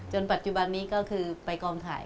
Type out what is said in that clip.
ปัจจุบันนี้ก็คือไปกองถ่าย